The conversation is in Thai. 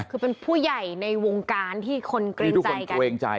คือเป็นผู้ใหญ่ในวงการที่คนเกรงใจกันเกรงใจ